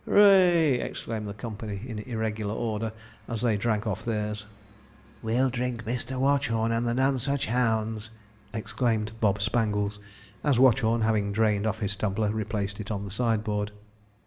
'H o o ray!' exclaimed the company in irregular order, as they drank off theirs. 'We'll drink Mr. Watchorn and the Nonsuch hounds!' exclaimed Bob Spangles, as Watchorn, having drained off his tumbler, replaced it on the sideboard.